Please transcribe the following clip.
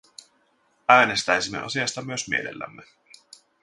Äänestäisimme asiasta myös mielellämme.